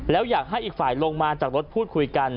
แล้วอยากให้อีกฝ่ายลงมาจากรถพูดคุยกัน